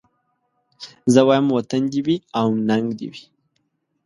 زه وايم وطن دي وي او ننګ دي وي